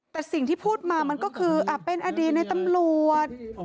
แต่สิ่งที่พูดมามันก็คือเป็นอดีตในตำรวจ